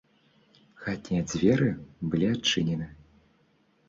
Хатнія дзверы былі адчынены.